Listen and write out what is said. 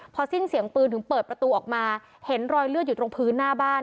พอสิ้นเสียงปืนถึงเปิดประตูออกมาเห็นรอยเลือดอยู่ตรงพื้นหน้าบ้าน